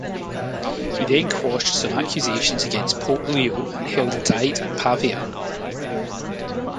He then quashed some accusations against Pope Leo and held a Diet at Pavia.